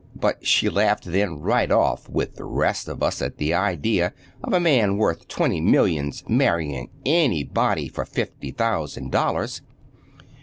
But she laughed then, right off, with the rest of us, at the idea of a man worth twenty millions marrying anybody for fifty thousand dollars.